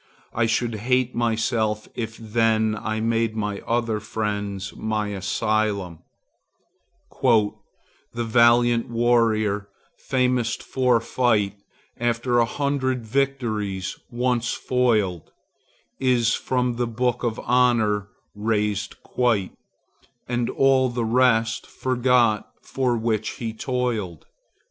I should hate myself, if then I made my other friends my asylum:— "The valiant warrior famoused for fight, After a hundred victories, once foiled, Is from the book of honor razed quite, And all the rest forgot for which he toiled."